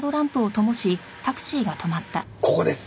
ここです。